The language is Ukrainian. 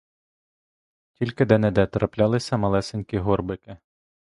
Тільки де-не-де траплялися малесенькі горбики.